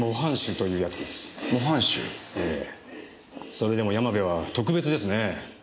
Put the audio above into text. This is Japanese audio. それでも山部は特別ですね。